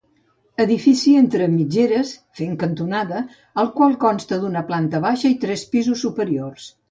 Edifici entre mitgeres, fent cantonada, el qual consta d'una planta baixa i tres pisos superiors.